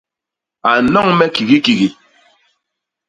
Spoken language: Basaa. A nnoñ me kigiikigii.